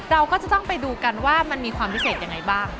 เราก็จะต้องไปดูกันว่ามันมีความพิเศษยังไงบ้าง